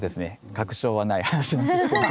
確証はない話なんですけれど。